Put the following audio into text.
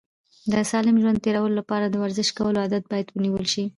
د سالم ژوند د تېرولو لپاره د ورزش کولو عادت باید ونیول شي.